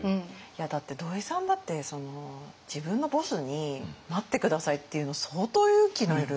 だって土井さんだって自分のボスに「待って下さい」って言うの相当勇気のいる。